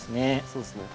そうですね。